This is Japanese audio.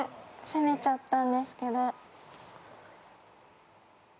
攻めちゃったんですけど。